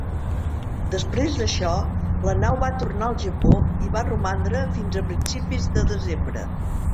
Després d'això, la nau va tornar al Japó i hi va romandre fins a principis de desembre.